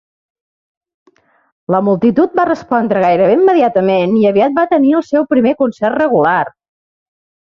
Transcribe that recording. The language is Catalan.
La multitud va respondre gairebé immediatament i aviat va tenir el seu primer concert regular.